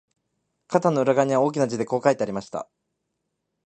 扉の裏側には、大きな字でこう書いてありました